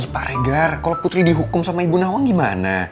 pak regar kalau putri dihukum sama ibu nawang gimana